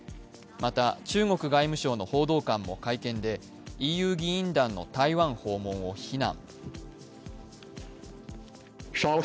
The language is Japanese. また、中国外務省の報道官も会見で、ＥＵ議員団の台湾訪問を非難。